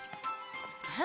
えっ？